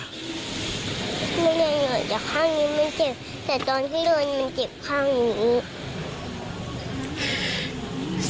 หนูเหนื่อยเหรอแต่ข้างนี้มันเจ็บแต่ตอนที่หลุดมันเจ็บข้างนี้